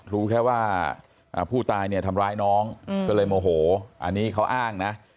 รู้แค่ว่าผู้ตายเนี่ยทำร้ายน้องก็เลยโมโหอันนี้เขาอ้างนะ